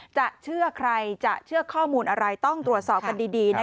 เชื่อใครจะเชื่อข้อมูลอะไรต้องตรวจสอบกันดี